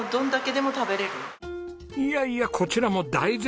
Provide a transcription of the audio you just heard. いやいやこちらも大絶賛！